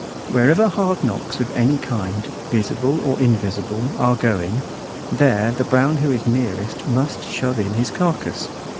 Wherever hard knocks of any kind, visible or invisible, are going; there the Brown who is nearest must shove in his carcass.